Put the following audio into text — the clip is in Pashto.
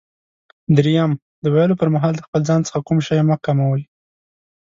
دریم: د ویلو پر مهال د خپل ځان څخه کوم شی مه کموئ.